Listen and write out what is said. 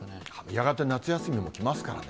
やがて夏休みも来ますからね。